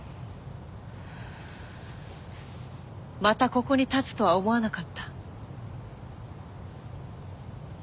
またここに立つとは思わなかった。